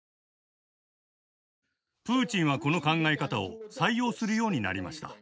プーチンはこの考え方を採用するようになりました。